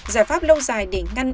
giải pháp lâu dài để ngăn